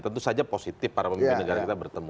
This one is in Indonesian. tentu saja positif para pemimpin negara kita bertemu